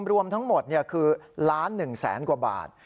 รวมทั้งหมดคือล้าน๑แสนกว่าบาท